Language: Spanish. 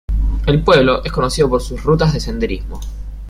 El pueblo es conocido por sus rutas de senderismo.